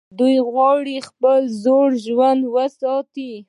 دوی غواړي خپل زوړ ژوند وساتي.